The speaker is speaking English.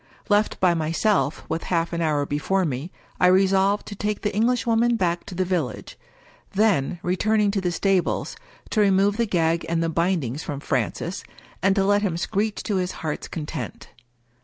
Left by myself, with half an hour before me, I resolved to take the Englishwoman back to the village — ^then, return ing to the stables, to remove the gag and the bindings from Francis, and to let him screech to his heart's content.